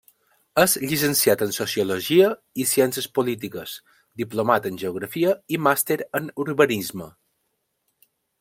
És llicenciat en sociologia i ciències polítiques, diplomat en Geografia i màster en Urbanisme.